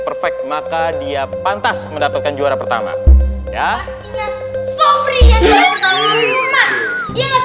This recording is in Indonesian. perfect maka dia pantas mendapatkaniertaincus yaa memberikan sepuluh per or susetwest ahnya juga lucu